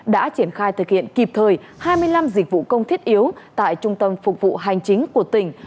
đã triển khai thực hiện kịp thời hai mươi năm dịch vụ công thiết yếu tại trung tâm phục vụ hành chính của tỉnh